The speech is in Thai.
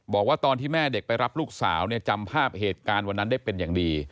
บอกว่าตอนที่แม่เด็กไปรับลูกสาวเนี่ยจำภาพเหตุการณ์วันนั้นได้เป็นอย่างดี